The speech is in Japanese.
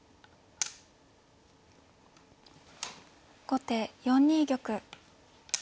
後手４二玉。